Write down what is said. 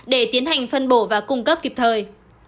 để tiến hành phân bổ và cung cấp kịp thời